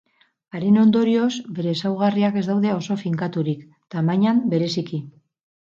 Haren ondorioz bere ezaugarriak ez daude oso finkaturik, tamainan bereziki.